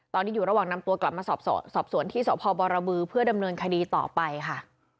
ตอนนี้อยู่ระหว่างนำตัวกลับมาสอบสวนที่สพบรบือเพื่อดำเนินคดีต่อไปค่ะ